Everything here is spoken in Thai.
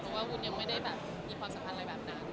เพราะว่าวุ้นยังไม่ได้แบบมีความสัมพันธ์อะไรแบบนั้น